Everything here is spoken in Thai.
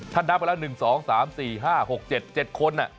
นับมาแล้ว๑๒๓๔๕๖๗๗คน